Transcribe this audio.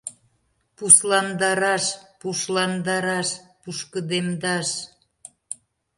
Пусландараш — пушландараш, пушкыдемдаш.